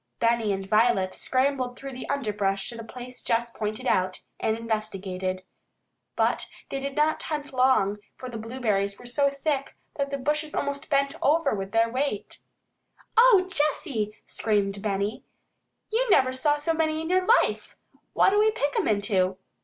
Benny and Violet scrambled through the underbrush to the place Jess pointed out, and investigated. But they did not hunt long, for the blueberries were so thick that the bushes almost bent over with their weight. "O Jessy," screamed Benny, "you never saw so many in your life! What'll we pick 'em into?"